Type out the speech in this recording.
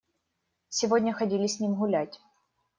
Сегодня ходили с ним гулять.